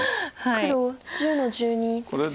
黒１０の十二ツギ。